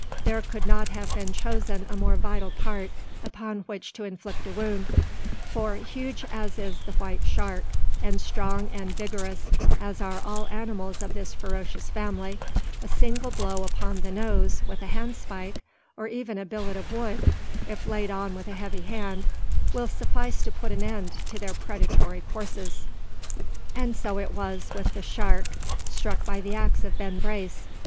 There could not have been chosen a more vital part upon which to inflict a wound; for, huge as is the white shark, and strong and vigorous as are all animals of this ferocious family, a single blow upon the nose with a handspike or even a billet of wood, if laid on with a heavy hand, will suffice to put an end to their predatory courses. And so was it with the shark struck by the axe of Ben Brace.